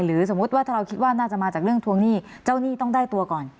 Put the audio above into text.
สมมุติว่าถ้าเราคิดว่าน่าจะมาจากเรื่องทวงหนี้เจ้าหนี้ต้องได้ตัวก่อน